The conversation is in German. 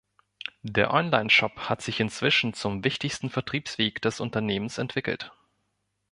Der Onlineshop hat sich inzwischen zum wichtigsten Vertriebsweg des Unternehmens entwickelt.